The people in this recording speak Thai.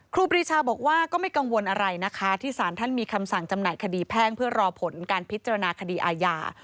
ครูปรีชาบอกว่าก็ไม่กังวลอะไรนะคะที่สารท่านมีคำสั่งจำหน่ายคดีแพ่งเพื่อรอผลการพิจารณาคดีอาญา